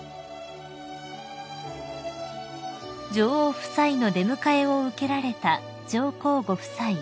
［女王夫妻の出迎えを受けられた上皇ご夫妻］